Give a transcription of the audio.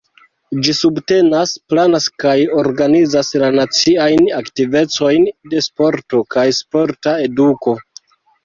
Ĝi subtenas, planas kaj organizas la naciajn aktivecojn de sporto kaj sporta eduko.